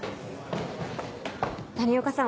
谷岡さん